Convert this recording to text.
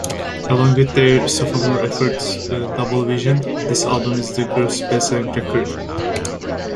Along with their sophomore effort, "Double Vision", this album is the group's best-selling record.